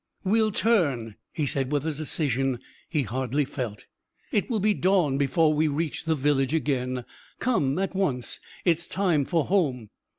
"We'll turn," he said with a decision he hardly felt. "It will be dawn before we reach the village again. Come at once. It's time for home."